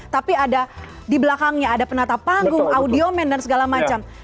tapi ada di belakangnya ada penata panggung audio man dan segala macam